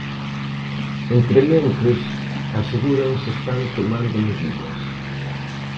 Entrementres, aseguran se están tomando medidas.